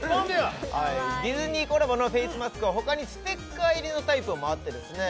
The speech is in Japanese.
はいディズニーコラボのフェイスマスクは他にステッカー入りのタイプもあってですね